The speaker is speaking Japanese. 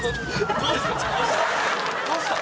どうしたん？